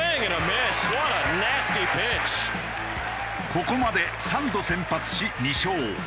ここまで３度先発し２勝。